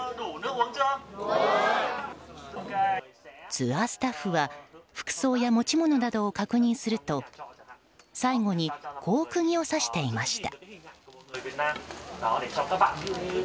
ツアースタッフは服装や持ち物などを確認すると最後にこう釘を刺していました。